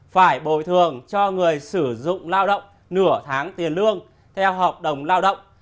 phải bồi thường cho người sử dụng lao động nửa tháng tiền lương theo hợp đồng lao động